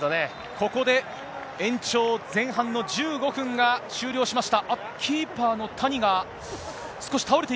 ここで延長前半の１５分が終了しました。